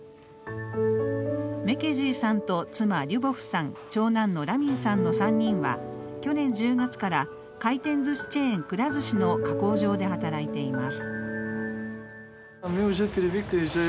メケジーさんと妻・リュバさん、長男のラミンさんの３人は去年１０月から回転ずしチェーン、くら寿司の加工場で働いています。